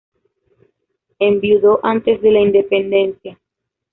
Enviudó antes de la independencia.